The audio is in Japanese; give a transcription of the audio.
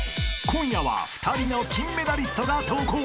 ［今夜は２人の金メダリストが登校］